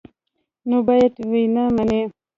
نو باید ویې مني.